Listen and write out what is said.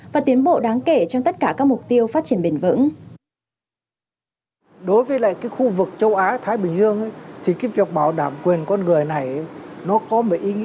và tiến bộ đáng kể trong tất cả các mục tiêu phát triển bền vững